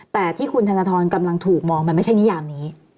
แต่ที่คุณธนทรกำลังถูกมองมันไม่ใช่นิยามนี้